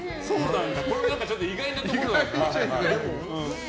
これもちょっと意外なところだね。